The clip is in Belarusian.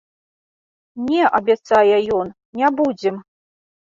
Не, абяцае ён, не будзем.